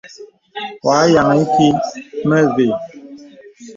Wɔ̄ a yìaŋə ìkì a mə ve.